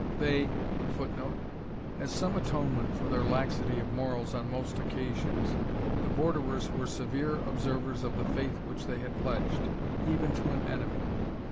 "They [Footnote: As some atonement for their laxity of morals on most occasions, the Borderers were severe observers of the faith which they had pledged, even to an enemy.